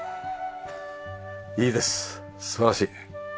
いいです素晴らしい。